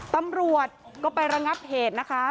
ตำรวจก็ไประงับเหตุนะคะ